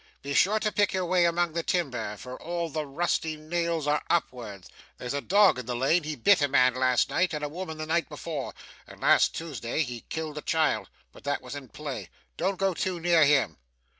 Be sure to pick your way among the timber, for all the rusty nails are upwards. There's a dog in the lane. He bit a man last night, and a woman the night before, and last Tuesday he killed a child but that was in play. Don't go too near him.